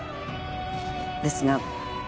ですが。